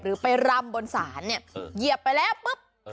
หรือไปรำบนศาลเหยียบไปแล้วปุ๊บ